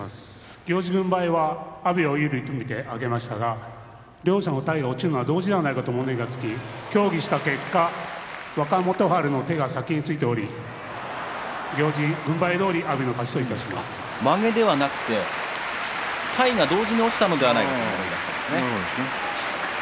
行司軍配は、阿炎を有利と見て上げましたが両者の体が落ちるのが同時ではないかと物言いがつき協議した結果若元春の手が先についており行司軍配どおりまげではなくて体が同時に落ちたのではないかということでしたね。